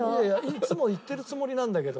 いつも言ってるつもりなんだけど。